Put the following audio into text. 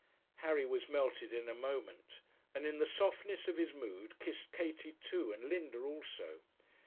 Harry was melted in a moment, and in the softness of his mood kissed Katie too, and Linda also.